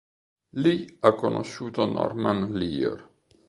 Lì ha conosciuto Norman Lear.